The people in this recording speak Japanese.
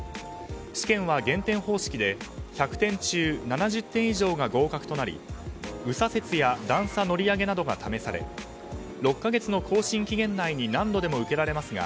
試験は減点方式で１００点中７０点以上が合格となり右左折や段差乗り上げなどが試され６か月の更新期限内に何度でも受けられますが